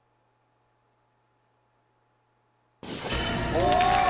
お！